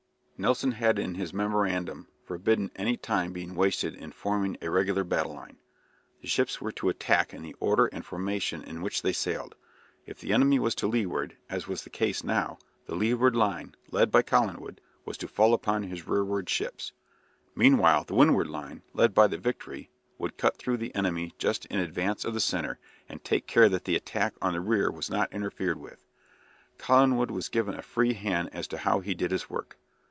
Nelson had in his memorandum forbidden any time being wasted in forming a regular battle line. The ships were to attack in the order and formation in which they sailed. If the enemy was to leeward (as was the case now), the leeward line, led by Collingwood, was to fall upon his rearward ships. Meanwhile, the windward line, led by the "Victory," would cut through the enemy just in advance of the centre, and take care that the attack on the rear was not interfered with. Collingwood was given a free hand as to how he did his work.